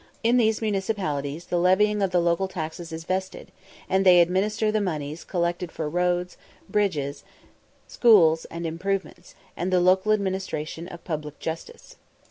In these municipalities the levying of the local taxes is vested, and they administer the monies collected for roads, bridges, schools, and improvements, and the local administration of public justice.